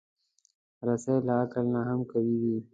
رسۍ له عقل نه هم قوي وي.